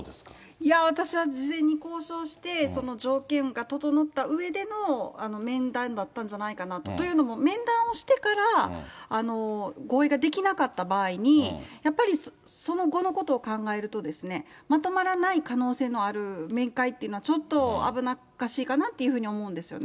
いや、私は事前に交渉して、その条件が整ったうえでの面談だったんじゃないかなと。というのも、面談をしてから、合意ができなかった場合に、やっぱりその後のことを考えるとですね、まとまらない可能性のある面会というのは、ちょっと危なっかしいかなっていうふうに思うんですよね。